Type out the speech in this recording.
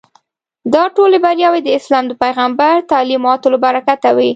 دا ټولې بریاوې د اسلام د پیغمبر تعلیماتو له برکته وې.